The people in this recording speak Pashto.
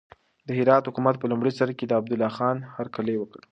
د هرات حکومت په لومړي سر کې د عبدالله خان هرکلی وکړ.